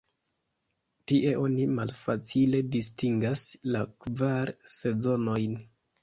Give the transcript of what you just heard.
Tie oni malfacile distingas la kvar sezonojn.